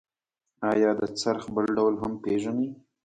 آیا د څرخ بل ډول هم پیژنئ؟